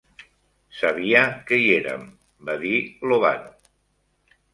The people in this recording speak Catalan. "Sabia que hi érem", va dir Lovano.